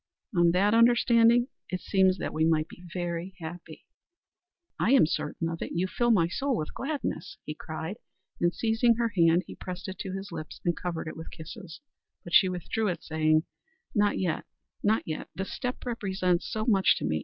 "On that understanding it seems that we might be very happy." "I am certain of it. You fill my soul with gladness," he cried, and seizing her hand he pressed it to his lips and covered it with kisses, but she withdrew it, saying, "Not yet not yet. This step represents so much to me.